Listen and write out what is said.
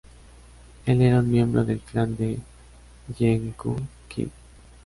Él era un miembro del clan de Gyeongju Kim.